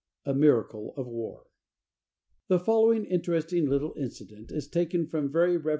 A MIRACLE OF THE WAR. The following interesting little incident is taken from Very Rev. W.